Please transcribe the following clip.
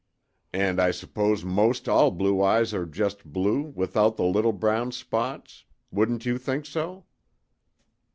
"And I suppose most all blue eyes are just blue, without the little brown spots. Wouldn't you think so?"